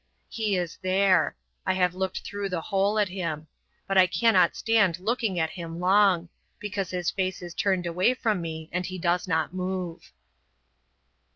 He is there. I have looked through the hole at him; but I cannot stand looking at him long, because his face is turned away from me and he does not move."